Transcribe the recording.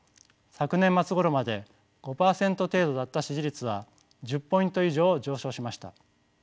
昨年末ごろまで５％程度だった支持率は１０ポイント以上上昇しました。